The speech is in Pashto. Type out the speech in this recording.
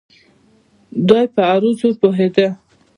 دای په عروضو پوهېده.